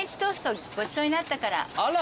あら。